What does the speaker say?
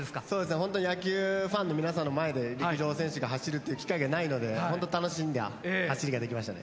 ほんとに野球ファンの皆さんの前で陸上選手が走るっていう機会がないのでほんと楽しんだ走りができましたね。